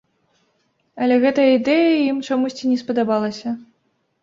Але гэтая ідэя ім чамусьці не спадабалася.